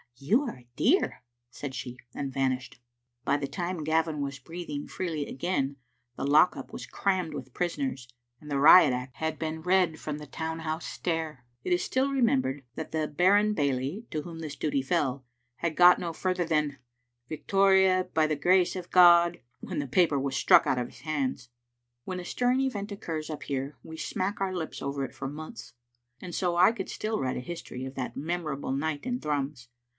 You are a dear," she said, and vanished. By the time Gavin was breathing freely again the lock up was crammed with prisoners, and the Riot Act had been read from the town house stair. It is still remembered that the baron bailie, to whom this duty fell, had got no further than, " Victoria, by the Grace of God," when the paper was struck out of his hands. When a stirring event occurs up here we smack our lips over it for months, and so I could still write a his tory of that memorable night in Thrums.